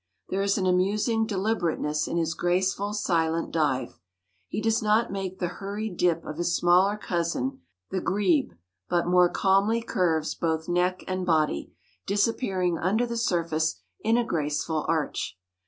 There is an amusing deliberateness in his graceful, silent dive. He does not make the hurried dip of his smaller cousin, the grebe, but more calmly curves both neck and body, disappearing under the surface in a graceful arch.